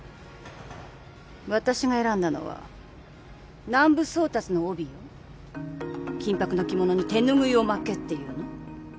私が選んだのは南部宗達の帯よ金箔の着物に手ぬぐいを巻けっていうの？